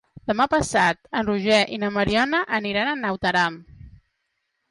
Demà passat en Roger i na Mariona aniran a Naut Aran.